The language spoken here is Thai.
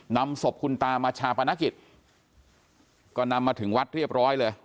นำศพคุณตามาชาปนกิจก็นำมาถึงวัดเรียบร้อยเลย